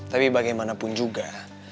tapi bagaimanapun juga